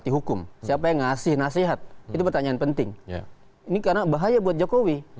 ini karena bahaya buat jokowi